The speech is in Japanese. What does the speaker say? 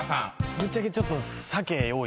ぶっちゃけちょっと。